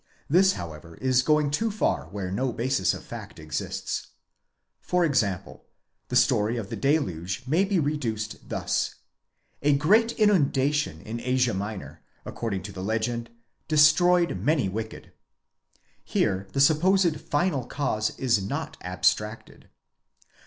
(This however, is going too far where no basis of fact exists.) For example. 'The story of the deluge may be reduced thus; a great inundation in Asia Minor, according to the legend, destroyed many wicked. (Here the supposed final cause is not abstracted.)